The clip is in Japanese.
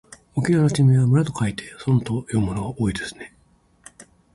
沖縄の地名は村と書いてそんと読むものが多いですね。